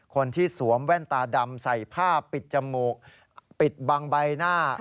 คนที่สวมแว่นตาดำใส่ผ้าปิดจมูกปิดบังใบหน้า